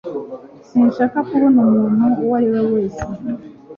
Sinshaka kubona umuntu uwo ari we wese